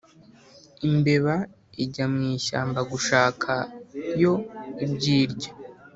imbeba ijya mu ishyamba gushaka yo ibyo irya.